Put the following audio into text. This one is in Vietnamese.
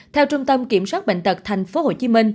theo trung tâm kiểm soát bệnh tật tp hcm